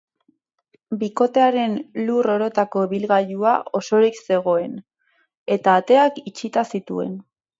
Bikotearen lur orotako ibilgailua osorik zegoen, eta ateak itxita zituen.